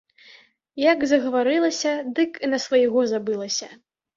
Як загаварылася, дык і на свайго забылася.